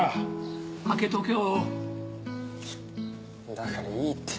だからいいって